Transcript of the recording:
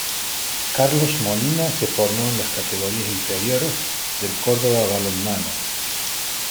Carlos Molina se formó en las categorías inferiores del Córdoba Balonmano.